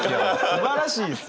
すばらしいですよ！